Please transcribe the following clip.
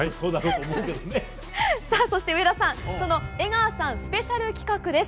そして上田さん江川さんスペシャル企画です。